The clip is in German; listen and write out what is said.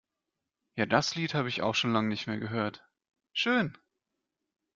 Ja, das Lied habe ich auch schon lange nicht mehr gehört. Schön!